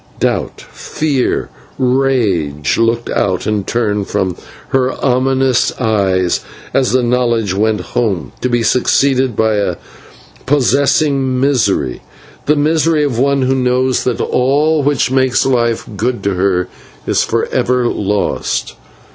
Doubt, fear, rage looked out in turn from her ominous eyes as the knowledge went home, to be succeeded by a possessing misery, the misery of one who knows that all which makes life good to her is for ever lost.